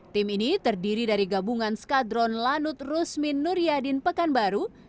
tim ini terdiri dari gabungan skadron lanut rusmin nuryadin pekanbaru